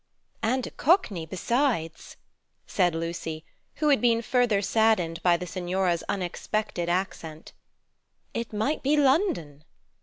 "And a Cockney, besides!" said Lucy, who had been further saddened by the Signora's unexpected accent. "It might be London."